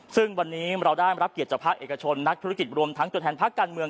ซึ่งวันนี้เราได้รับเกียรติจากภาคเอกชนนักธุรกิจรวมทั้งตัวแทนภาคการเมือง